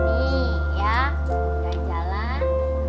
nih ya kita jalan